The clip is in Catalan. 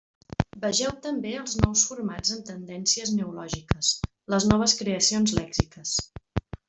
Vegeu també Els nous formants en Tendències neològiques: les noves creacions lèxiques.